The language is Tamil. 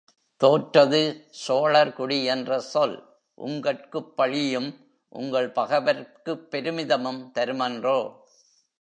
தோற்றது சோழர் குடி என்ற சொல் உங்கட்குப் பழியும், உங்கள் பகைவர்க்குப் பெருமிதமும் தருமன்றோ?